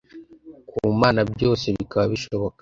ku Mana byose bikaba bishoboka